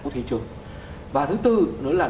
của thị trường và thứ tư nữa là